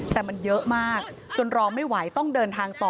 แต่มันเยอะมากจนรอไม่ไหวต้องเดินทางต่อ